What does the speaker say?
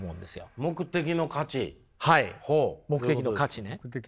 はい目的の価値ね。